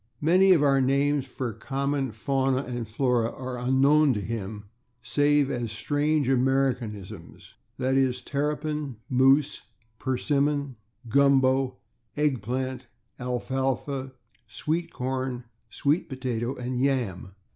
Many of our names for common fauna and flora are unknown to him save as strange Americanisms, /e. g./, /terrapin/, /moose/, /persimmon/, /gumbo/, /egg plant/, /alfalfa/, /sweet corn/, /sweet potato/ and /yam